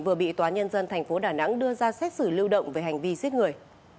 vừa bị tòa nhân dân tp đà nẵng đưa ra xét xử lưu động về hành vi giết người